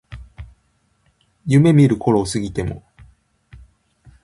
夢見る頃を過ぎても